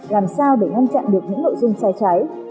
làm sao để ngăn chặn được những nội dung sai trái